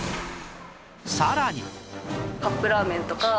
さらに